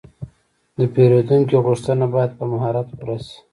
د پیرودونکي غوښتنه باید په مهارت پوره شي.